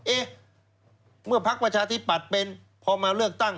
เอ๊ะเมื่อพักประชาธิปัตย์เป็นพอมาเลือกตั้ง